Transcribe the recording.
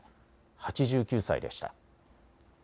８９歳でした。